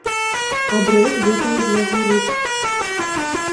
Абрэз выпаў з яго рук.